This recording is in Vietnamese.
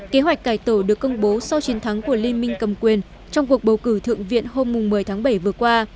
kế hoạch cải tổ được công bố sau chiến thắng của liên minh cầm quyền trong cuộc bầu cử thượng viện hôm một mươi tháng bảy vừa qua